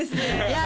いや